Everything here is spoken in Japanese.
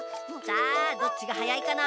さあどっちがはやいかな？